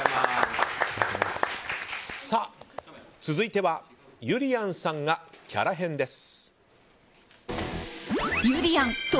続いてはゆりやんさんがキャラ変です。